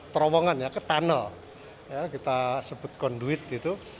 terowongan ya ke tunnel ya kita sebut conduit itu